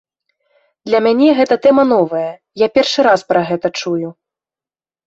Для мяне гэта тэма новая, я першы раз пра гэта чую.